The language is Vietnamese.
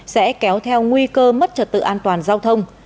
sẽ kéo theo nguy cơ mất trật tự an toàn giao thông